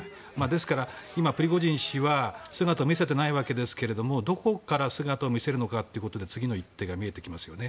ですから今、プリゴジン氏は姿を見せていないわけですがどこから姿を見せるのかということで次の一手が見えてきますよね。